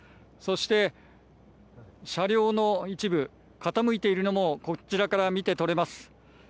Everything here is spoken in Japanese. そして車両の一部が傾いているのもこちらから見て取れます。